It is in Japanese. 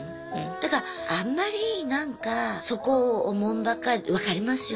だからあんまりなんかそこをおもんぱかる分かりますよ